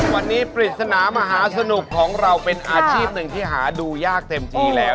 วันนี้ปริศนามหาสนุกของเราเป็นอาชีพหนึ่งที่หาดูยากเต็มที่แล้ว